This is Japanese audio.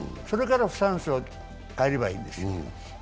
それからスタンスを変えればいいんですよ。